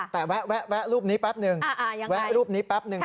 แต่แวะรูปนี้แป๊บนึงแวะรูปนี้แป๊บหนึ่ง